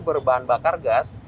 berbahan bakar gas